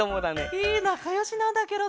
へえなかよしなんだケロね。